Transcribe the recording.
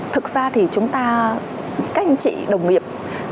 thực ra thì chúng ta các anh chị đồng nghiệp